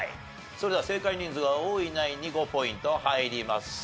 それでは正解人数が多いナインに５ポイント入ります。